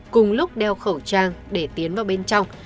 cùng lúc đeo khẩu trang để tiến vào bên trong